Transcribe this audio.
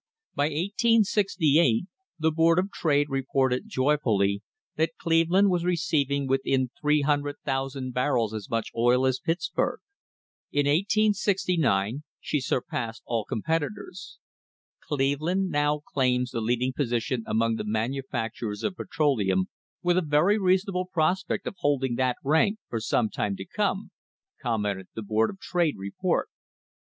By 1868 the Board of Trade reported joyfully that Cleveland was receiving within 300,000 barrels as much oil as Pitts burg. In 1869 sne surpassed all competitors. "Cleveland now claims the leading position among the manufacturers of petro leum with a very reasonable prospect of holding that rank for some time to come," commented the Board of Trade report.